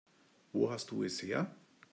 Wo hast du es her?